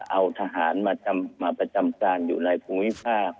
เอาทหารมาประจำการอยู่ในภูมิภาค